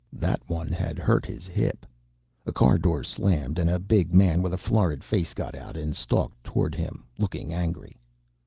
That one had hurt his hip. A car door slammed and a big man with a florid face got out and stalked toward him, looking angry.